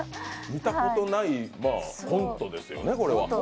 見たことないコントですよね。